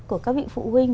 của các vị phụ huynh